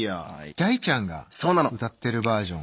大ちゃんが歌ってるバージョン。